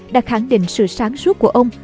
đã khẳng định sự sáng suốt của ông